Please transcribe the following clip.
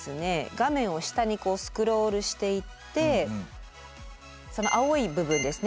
画面を下にスクロールしていってその青い部分ですね